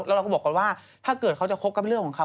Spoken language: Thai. เราก็บอกว่าถ้าเกิดเขาจะคบกับเรื่องเรา